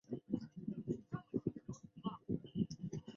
中华尾孢虫为尾孢科尾孢虫属的动物。